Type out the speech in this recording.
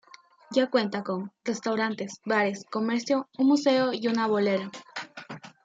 Ya cuenta con restaurantes, bares, comercio, un museo y una bolera.